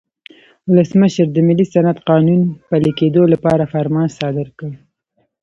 ولسمشر د ملي صنعت قانون پلي کېدو لپاره فرمان صادر کړ.